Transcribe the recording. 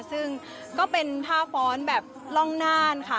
ซึ่งก็เป็นท่าฟ้อนแบบร่องน่านค่ะ